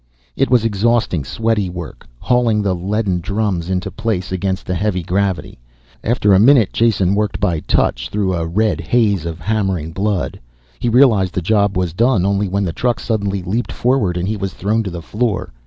It was exhausting, sweaty work, hauling the leaden drums into place against the heavy gravity. After a minute Jason worked by touch through a red haze of hammering blood. He realized the job was done only when the truck suddenly leaped forward and he was thrown to the floor.